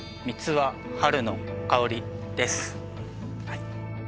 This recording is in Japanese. はい